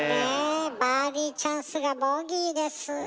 バーディーチャンスがボギーです。